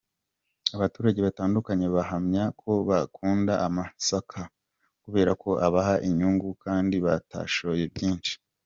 Abaturage batandukanye bahamya ko bakunda amasaka kubera ko abaha inyungu kandi batashoye byinshi.